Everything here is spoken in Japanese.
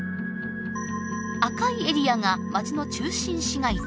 赤いエリアが街の中心市街地。